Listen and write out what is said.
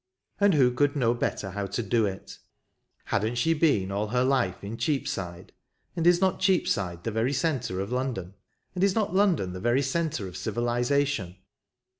And who could know better how to do it ? Hadn't she been 12 RiVERTON. all her life in Cheapside ? and is not Cheapside the very centre of London ? and is not London the centre of civilization